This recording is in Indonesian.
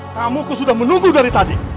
kamu aku sudah menunggu dari tadi